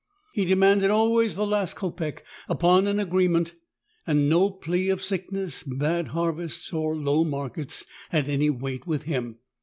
He demanded always the last copeck upon an agreement, and no plea of sickness, bad harvests or low markets had any weight with him.